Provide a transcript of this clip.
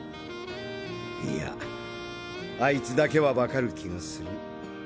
いやあいつだけはわかる気がする。